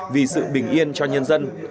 vì sự bình yên cho nhân dân